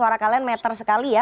karena suara kalian meter sekali ya